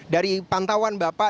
dari pantauan bapak